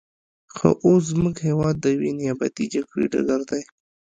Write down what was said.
خو اوس زموږ هېواد د یوې نیابتي جګړې ډګر دی.